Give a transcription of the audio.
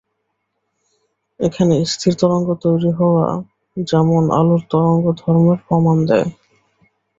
এখানে স্থির তরঙ্গ তৈরি হওয়া যেমন আলোর তরঙ্গ ধর্মের প্রমাণ দেয়।